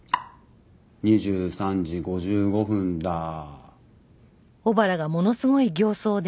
２３時５５分だー。